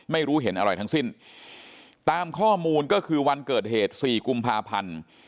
ไม่รู้เห็นอะไรทั้งสิ้นตามข้อมูลก็คือวันเกิดเหตุสี่กุมภาพันธ์